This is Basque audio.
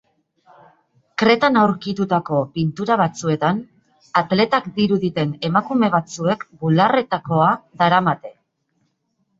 Kretan aurkitutako pintura batzuetan, atletak diruditen emakume batzuek bularretakoa daramate.